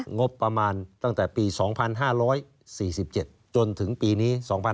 งบประมาณตั้งแต่ปี๒๕๔๗จนถึงปีนี้๒๕๖๒